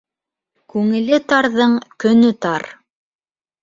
Күңеле тарҙың көнө тар.